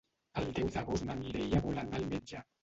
El deu d'agost na Mireia vol anar al metge.